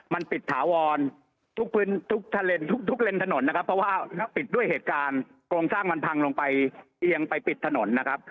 มันปิดถาวรทุกพื้นทุกทะเลนทุกเลนส์ถนนนะครับเพราะว่าถ้าปิดด้วยเหตุการณ์โครงสร้างมันพังลงไปเอียงไปปิดถนนนะครับ